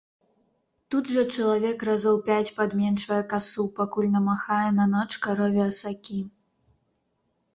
Тут жа чалавек разоў пяць падменчвае касу, пакуль намахае на ноч карове асакі.